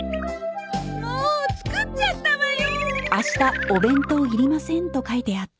もう作っちゃったわよ。